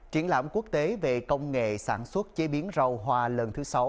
triển lãm quốc tế về công nghệ sản xuất chế biến rau hoa lần thứ sáu